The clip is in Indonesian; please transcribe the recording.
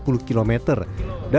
dan di kedua